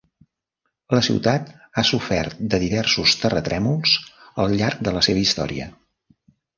La ciutat ha sofert de diversos terratrèmols al llarg de la seva història.